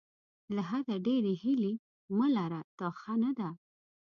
له حده ډېرې هیلې مه لره دا ښه نه ده.